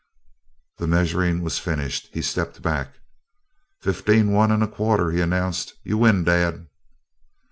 The measuring was finished; he stepped back. "Fifteen one and a quarter," he announced. "You win, Dad!"